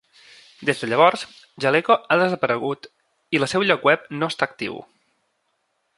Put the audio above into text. Des de llavors, Jaleco ha desaparegut i la seu lloc web no està actiu.